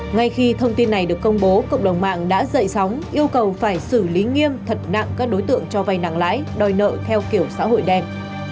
ngay khi thông tin này được công bố cộng đồng mạng đã dậy sóng yêu cầu phải xử lý nghiêm thật nặng các đối tượng cho vay nặng lãi đòi nợ theo kiểu xã hội đen